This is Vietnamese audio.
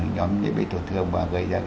nhóm bị tổn thương và gây ra